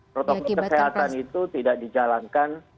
protokol kesehatan itu tidak dijalankan